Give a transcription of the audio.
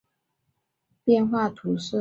欧德维勒人口变化图示